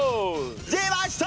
出ました！